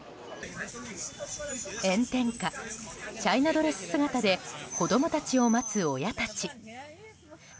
炎天下、チャイナドレス姿で子供たちを待つ親たち。